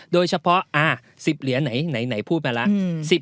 เฉพาะ๑๐เหรียญไหนพูดมาแล้ว